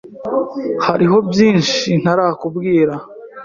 Hariho byinshi ntarakubwira.